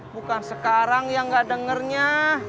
bukan sekarang yang gak dengernya